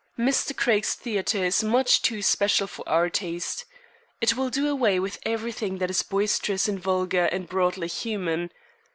Mr. Craig's theater is much too special for our taste. It will do away with everything that is boisterous and vulgar and broadly human.